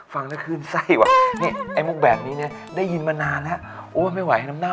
ฟังแล้วคืนไส้ว่ะไอ้มุกแบบนี้ได้ยินมานานแล้วโอ้ยไม่ไหวให้น้ำเน่า